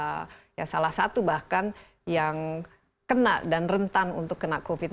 mengetahui kan cukup ya salah satu bahkan yang kena dan rentan untuk kena covid sembilan belas